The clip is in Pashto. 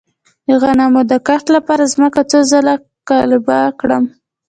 د غنمو د کښت لپاره ځمکه څو ځله قلبه کړم؟